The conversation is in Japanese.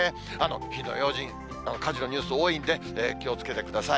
火の用心、火事のニュース多いんで、気をつけてください。